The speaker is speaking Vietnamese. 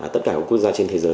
tất cả các quốc gia trên thế giới